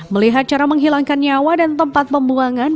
melihat cara menghilangkan nyawa dan tempat pembuangan